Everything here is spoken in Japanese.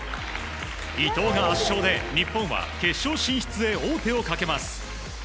伊藤が圧勝で日本は決勝進出へ王手をかけます。